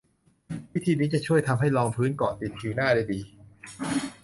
วิธีนี้จะช่วยทำให้รองพื้นเกาะติดผิวหน้าได้ดี